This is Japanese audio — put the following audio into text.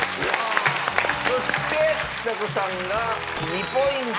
そしてちさ子さんが２ポイント！